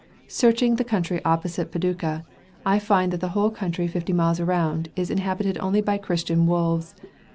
Searching the country opposite Paducah, I find that the whole country fifty miles round is inhabited only by Christian wolves.